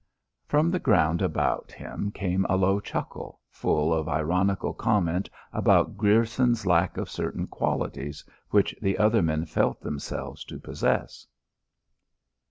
From the ground about him came a low chuckle, full of ironical comment upon Grierson's lack of certain qualities which the other men felt themselves to possess.